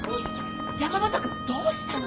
山本君どうしたの？